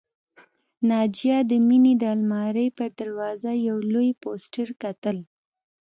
ناجیه د مينې د آلمارۍ پر دروازه یو لوی پوسټر کتل